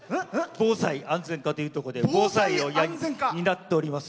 防災安全課というところで防災を担っております。